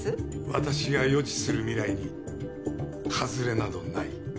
私が予知する未来に外れなどない。